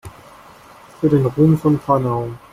Für den Ruhm von Panau!